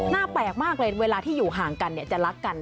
แปลกมากเลยเวลาที่อยู่ห่างกันจะรักกัน